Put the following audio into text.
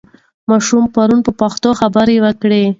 ماشوم پرون په پښتو پوښتنه وکړه.